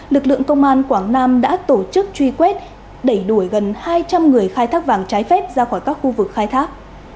lực lượng công an quảng nam đã tổ chức truy quét đẩy đuổi gần hai trăm linh người khai thác vàng trái phép ra khỏi các khu vực khai thác